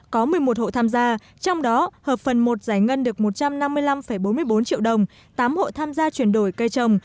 có một mươi một hộ tham gia trong đó hợp phần một giải ngân được một trăm năm mươi năm bốn mươi bốn triệu đồng tám hộ tham gia chuyển đổi cây trồng